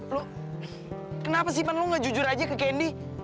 lo kenapa sih pan lo gak jujur aja ke candy